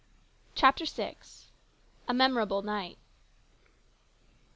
CHAPTER VI. A MEMORABLE NIGHT.